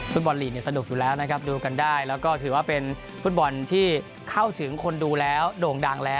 บอลลีกเนี่ยสนุกอยู่แล้วนะครับดูกันได้แล้วก็ถือว่าเป็นฟุตบอลที่เข้าถึงคนดูแล้วโด่งดังแล้ว